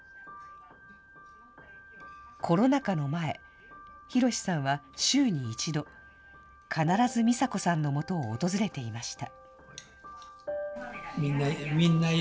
コロナ禍の前、寛さんは週に１度、必ずミサ子さんのもとを訪れていました。